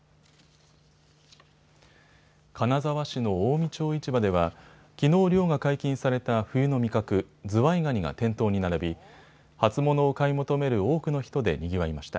金沢市の近江町市場ではきのう漁が解禁された冬の味覚、ズワイガニが店頭に並び初物を買い求める多くの人でにぎわいました。